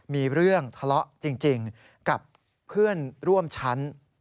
มีเรื่องทะเลาะจริงกับเพื่อนร่วมชั้น